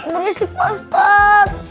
berisik pak ustadz